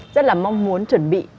rất là mong muốn chuẩn bị